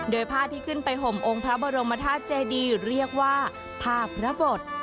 โดยผ้าที่ขึ้นไปห่มองค์พระบรมธาตุเจดีเรียกว่าผ้าพระบท